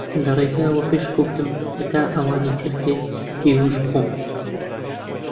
لە ڕێگە وەپێش کەوتم کە تا ئەوانی تر دێن گێوژ بخۆم